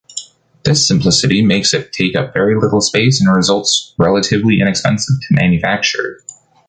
This simplicity makes it take up very little space and results relatively inexpensive to manufacture.